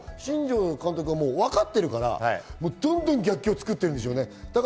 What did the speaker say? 負けたら言われるのを新庄監督はわかっているから、どんどん逆境を作ってるんでしょうね。